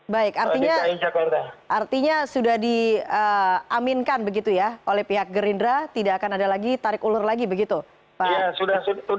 baik artinya sudah diaminkan begitu ya oleh pihak gerindra tidak akan ada lagi tarik ulur lagi begitu pak